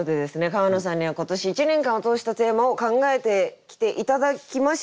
川野さんには今年１年間を通したテーマを考えてきて頂きました。